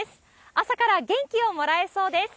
朝から元気をもらえそうです。